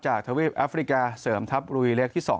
ทวีปแอฟริกาเสริมทัพลุยเล็กที่๒